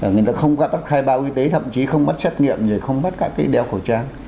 người ta không bắt khai báo y tế thậm chí không bắt xét nghiệm rồi không bắt các cái đeo khẩu trang